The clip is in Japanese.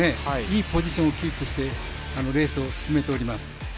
いいポジションキープをしてレースを進めております。